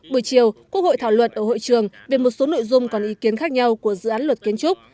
buổi chiều quốc hội thảo luận ở hội trường về một số nội dung còn ý kiến khác nhau của dự án luật kiến trúc